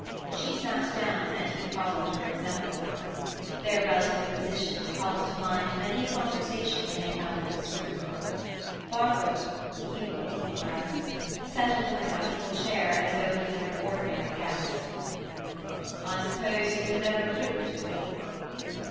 She sat down, and he followed her example. Their relative positions called to mind many a conversation they had held in this room. Barfoot—he wore evening dress—settled in the comfortable chair as though he were an ordinary guest. "I suppose you would never have written to me?"